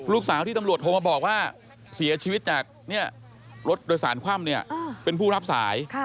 ลูกสาวที่ตำรวจโทรมาบอกว่าเสียชีวิตจากรถโดยสารคว่ำเนี่ยเป็นผู้รับสาย